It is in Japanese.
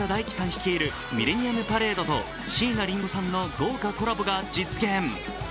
率いるｍｉｌｌｅｎｎｉｕｍｐａｒａｄｅと椎名林檎さんの豪華コラボが実現。